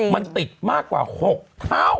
มันติดมากกว่า๖เท่า